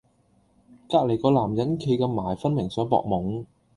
隔離嗰男人企咁埋分明想博懵